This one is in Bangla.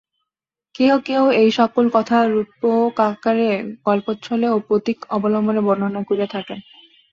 কেহ কেহ এই-সকল কথা রূপকাকারে, গল্পচ্ছলে ও প্রতীক-অবলম্বনে বর্ণনা করিয়া থাকেন।